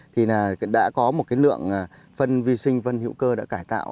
thì là đã có một cái lượng phân vi sinh phân hữu cơ đã cải tạo